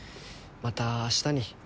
またあしたに。